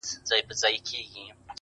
سرداري يې زما په پچه ده ختلې-